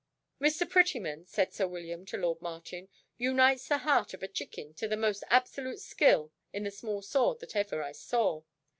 "Mr. Prettyman," said sir William to lord Martin, "unites the heart of a chicken to the most absolute skill in the small sword that ever I saw.